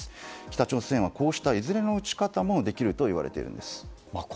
北朝鮮はこうしたいずれの撃ち方もできるといわれているんです。